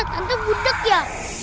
tante butek ya